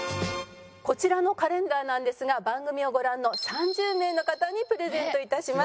こちらのカレンダーなんですが番組をご覧の３０名の方にプレゼント致します。